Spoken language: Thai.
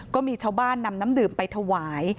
ก็มีชาวบ้านนำน้ำดื่มไปถวาย